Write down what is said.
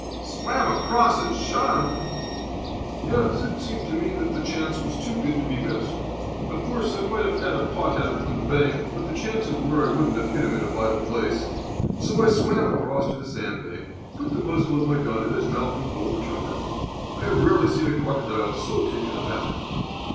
"Swam across and shot him!" "Yes. It seemed to me that the chance was too good to be missed. Of course, I might have had a pot at him from the bank, but the chances were I wouldn't have hit him in a vital place. So I swam across to the sandbank, put the muzzle of my gun in his mouth, and pulled the trigger. I have rarely seen a crocodile so taken aback."